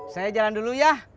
saya jalan dulu ya